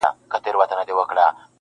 اشرف المخلوقات یم ما مېږی وژلی نه دی,